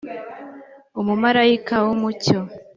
kr umumarayika w umucyo